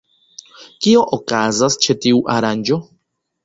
Kio okazas ĉe tiu aranĝo?